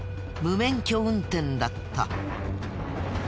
無免許運転だった。